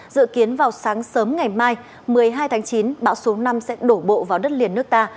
dự kiến vào sáng sớm ngày mai một mươi hai tháng chín bão số năm sẽ đổ bộ vào đất liền nước ta